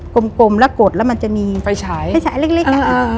กลมกลมแล้วกดแล้วมันจะมีไฟฉายไฟฉายเล็กเล็กอ่า